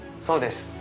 そうです。